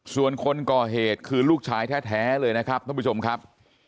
ส่วนคนก่อเหตุคือลูกชายแท้เลยนะครับท่านผู้ชมครับ